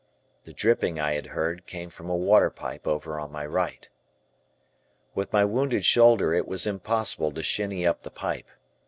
The dripping I had heard came from a water pipe over on my right. With my wounded shoulder it was impossible to shinny up the pipe.